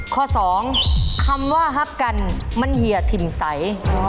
ข้อสองคำว่าฮับกันมันเหยียถิ่มใส